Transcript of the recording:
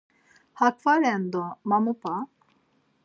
Hak var ren do ma mu p̌a?